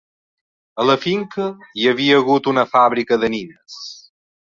A la finca hi havia hagut una fàbrica de nines.